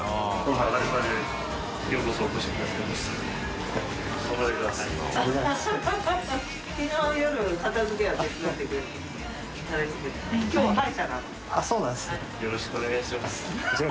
海舛蕕海よろしくお願いします。